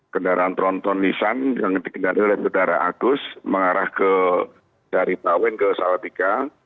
kendaraan tronton nissan yang dikendali oleh saudara agus mengarah dari tawen ke salatika